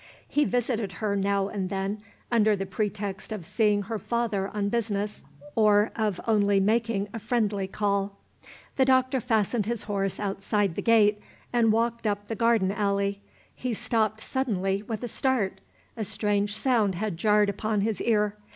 He visited her now and then, under the pretext of seeing her father on business, or of only making a friendly call. The Doctor fastened his horse outside the gate, and walked up the garden alley. He stopped suddenly with a start. A strange sound had jarred upon his ear.